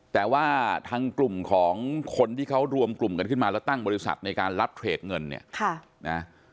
แต่ว่าทางกลุ่มของคนที่เขารวมกลุ่มกันขึ้นมาแล้วตั้งบริษัทในการรับเทรดเงินเนี่ยนะ